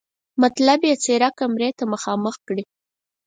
مطلب یې څېره کمرې ته مخامخ کړي.